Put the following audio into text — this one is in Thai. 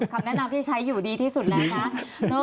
คำแนะนำที่ใช้อยู่ดีที่สุดแล้วนะ